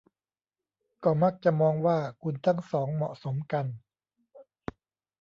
ก็มักจะมองว่าคุณทั้งสองเหมาะสมกัน